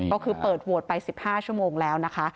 ก็คือเปิดโหวตไป๑๕ชั่วโมงแล้วนะคะ